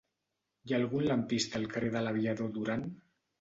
Hi ha algun lampista al carrer de l'Aviador Durán?